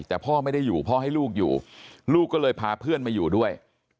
แต่พ่อไม่ได้อยู่พ่อให้ลูกอยู่ลูกก็เลยพาเพื่อนมาอยู่ด้วย